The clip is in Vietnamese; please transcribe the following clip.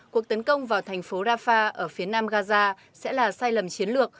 cuộc tấn công vào thành phố rafah ở phía nam gaza sẽ là sai lầm chiến lược